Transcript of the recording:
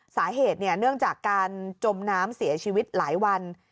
สาเหตุเนื่องจากการจมน้ำเสียชีวิตหลายวัน